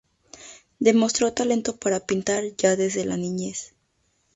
Demostró talento para pintar ya desde la niñez.